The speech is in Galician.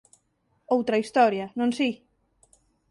Outra historia, non si?